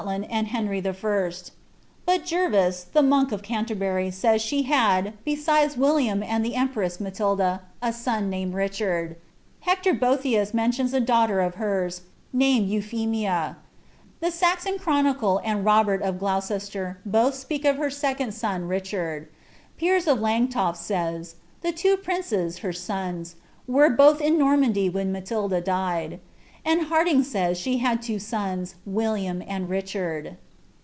land and Henry I.; but Gervase, the monk of Canterbury, says she tiiiJ, besides Williura and ihe empress Maiilda, a son named RiehsnI. Ilerint Boeihius mentions a daughter of hers, named Euphcmia The Suon Clirnnicle and Itobert of Glouccsier both spe^ of tier second Mt Richard. Piers of Langiofi lays, "The Inu princes, Iwr sons, wm both in Normandy when Matilda died^" anil Hardinge eaya she had iva eons, William and Richard.